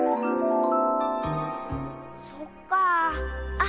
そっかあ。